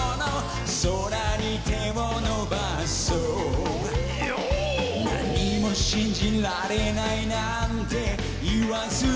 「空に手をのばそう」「何にも信じられないなんて言わずに」